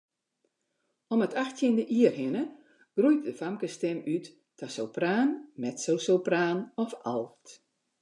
Om it achttjinde jier hinne groeit de famkesstim út ta sopraan, mezzosopraan of alt.